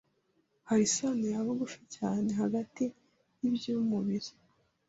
Hari isano ya bugufi cyane hagati y’iby’umubiri